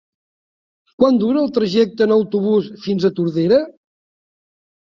Quant dura el trajecte en autobús fins a Tordera?